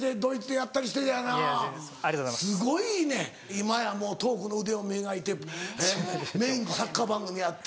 今やもうトークの腕を磨いてメインでサッカー番組やって。